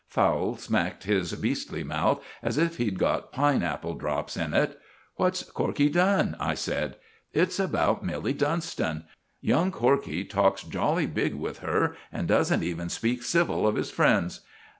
Fowle smacked his beastly mouth as if he'd got pine apple drops in it. "What's Corkey done?" I said. "It's about Milly Dunston. Young Corkey talks jolly big with her, and doesn't even speak civil of his friends.